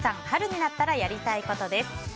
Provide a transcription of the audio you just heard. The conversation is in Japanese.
春になったらやりたいことです。